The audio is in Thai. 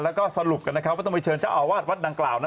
แล้วก็สรุปกันนะครับว่าต้องไปเชิญเจ้าอาวาสวัดดังกล่าว